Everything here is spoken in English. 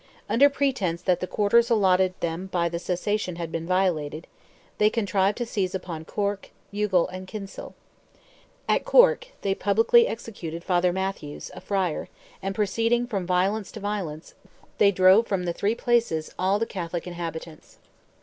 Under pretence that the quarters allotted them by the cessation had been violated, they contrived to seize upon Cork, Youghal, and Kinsale. At Cork, they publicly executed Father Mathews, a Friar, and proceeding from violence to violence, they drove from the three places all the Catholic inhabitants.